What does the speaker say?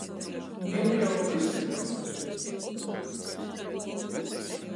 Niu jau vysi brauc.